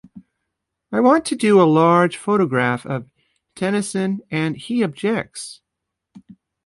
I want to do a large photograph of Tennyson and he objects!